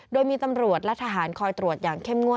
โดยมีตำรวจและทหารคอยตรวจอย่างเข้มงวด